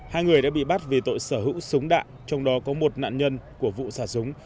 hai người đã bị bắt vì tội sở hữu súng đạn trong đó có một nạn nhân của vụ xả súng